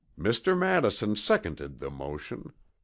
"Mr. Madison seconded the motion.